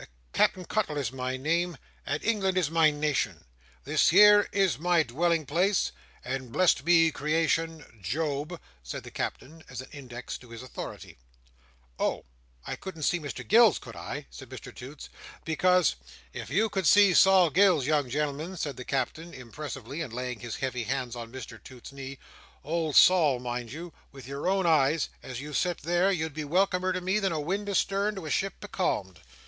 "Cap'en Cuttle is my name, and England is my nation, this here is my dwelling place, and blessed be creation—Job," said the Captain, as an index to his authority. "Oh! I couldn't see Mr Gills, could I?" said Mr Toots; "because—" "If you could see Sol Gills, young gen'l'm'n," said the Captain, impressively, and laying his heavy hand on Mr Toots's knee, "old Sol, mind you—with your own eyes—as you sit there—you'd be welcomer to me, than a wind astern, to a ship becalmed.